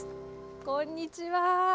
こんにちは。